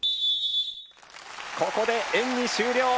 ここで演技終了！